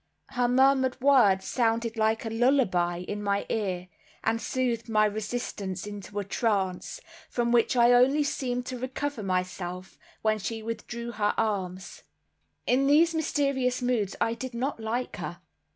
Her murmured words sounded like a lullaby in my ear, and soothed my resistance into a trance, from which I only seemed to recover myself when she withdrew her arms. In these mysterious moods I did not like her.